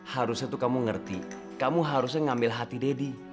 harusnya tuh kamu ngerti kamu harusnya ngambil hati deddy